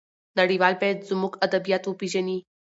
نړيوال بايد زموږ ادبيات وپېژني.